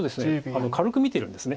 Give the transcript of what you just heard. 軽く見てるんです。